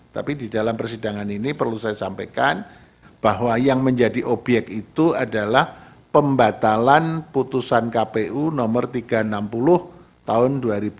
tapi di dalam persidangan ini perlu saya sampaikan bahwa yang menjadi obyek itu adalah pembatalan putusan kpu nomor tiga ratus enam puluh tahun dua ribu dua